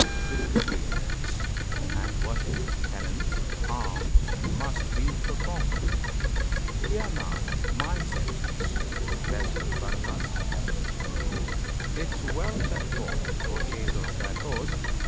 the goodly acts As worship, penance, alms must be performed!" Hear now My sentence, Best of Bharatas! 'Tis well set forth, O Chaser of thy Foes!